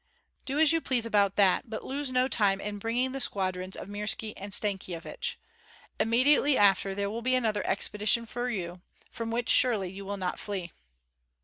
"Do as you please about that, but lose no time in bringing the squadrons of Mirski and Stankyevich; immediately after there will be another expedition for you, from which surely you will not flee."